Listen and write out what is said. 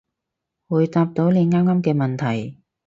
會答到你啱啱嘅問題